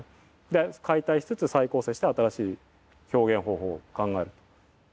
で解体しつつ再構成して新しい表現方法を考える。